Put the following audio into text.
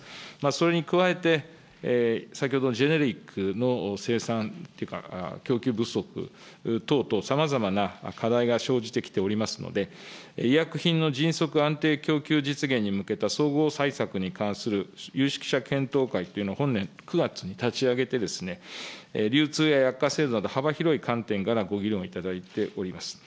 それに加えて、先ほどのジェネリックの生産というか、供給不足等々、さまざまな課題が生じてきておりますので、医薬品の迅速安定供給実現に向けた総合に関する有識者検討会というのを本年９月に立ち上げてですね、流通や薬価制度に関する幅広い観点からご議論いただいております。